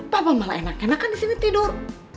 papa malah enak enakan disini tidur